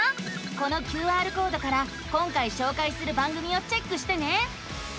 このＱＲコードから今回しょうかいする番組をチェックしてね。